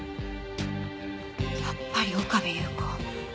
やっぱり岡部祐子。